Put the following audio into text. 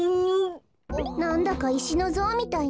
なんだかいしのぞうみたいね。